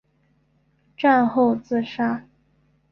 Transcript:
战后自杀。